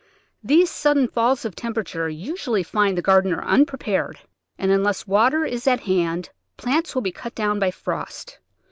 These sudden falls of temperature usually find the gardener unprepared, and unless water is at hand plants will be cut down by frost.